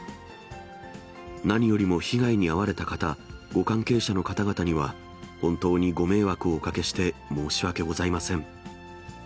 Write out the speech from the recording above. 何よりも被害に遭われた方、ご関係者の方々には、本当にご迷惑をおかけして申し訳ございません。